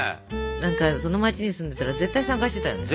何かその街に住んでたら絶対参加してたよね。